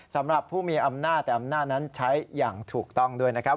สำหรับผู้มีอำนาจแต่อำนาจนั้นใช้อย่างถูกต้องด้วยนะครับ